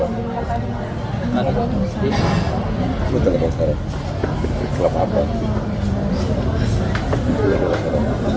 hai mencari juga coba telepon sekarang waktu ini